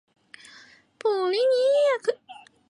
普利尼亚克。